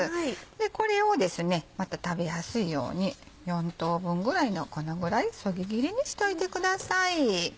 これをですねまた食べやすいように４等分ぐらいのこのぐらいそぎ切りにしといてください。